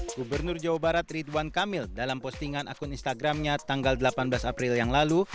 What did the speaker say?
gubernur jawa barat ridwan kamil dalam postingan akun instagramnya tanggal delapan belas april yang lalu